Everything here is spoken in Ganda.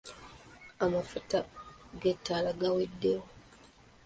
Amafuta g'etaala gaweddewo.